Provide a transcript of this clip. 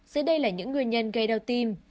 dưới đây là những nguyên nhân gây đau tim